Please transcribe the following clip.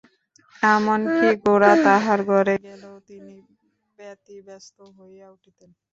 এমন-কি, গোরা তাঁহার ঘরে গেলেও তিনি ব্যতিব্যস্ত হইয়া উঠিতেন।